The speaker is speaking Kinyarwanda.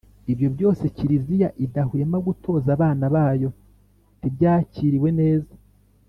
ibyo byose kiliziya idahwema gutoza abana bayo, ntibyakiriwe neza